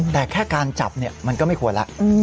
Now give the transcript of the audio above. แต่แค่การจับมันก็ไม่ควรแล้ว